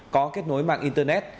có kết nối mạng internet